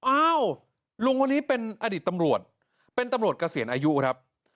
อ้าวลุงคนนี้เป็นอดีตตำรวจเป็นตำรวจเกษียณอายุครับ